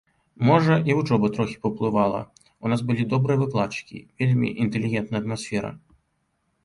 Можа, і вучоба трохі паўплывала, у нас былі добрыя выкладчыкі, вельмі інтэлігентная атмасфера.